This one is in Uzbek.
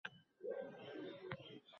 Internetga ulangan kompyuter